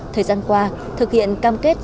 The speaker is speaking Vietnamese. thời gian qua thực hiện cam kết